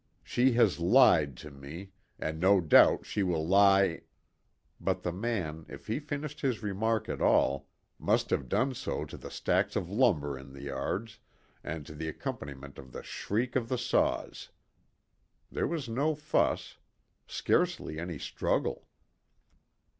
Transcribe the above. She has lied to me, and no doubt she will lie " But the man, if he finished his remark at all, must have done so to the stacks of lumber in the yards, and to the accompaniment of the shriek of the saws. There was no fuss. Scarcely any struggle.